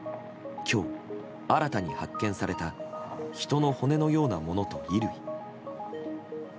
今日、新たに発見された人の骨のようなものと衣類。